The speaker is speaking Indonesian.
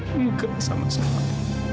tidak sama sekali